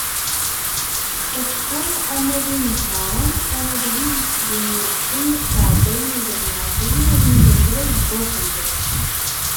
Acku, ama d inehharen, ama d wid itteddun yid-sen, sεeddayen azal n εecrin armi d asrag n wakud.